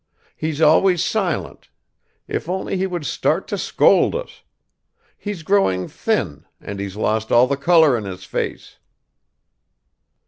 He's always silent; if only he would start to scold us; he's growing thin, and he's lost all the color in his face."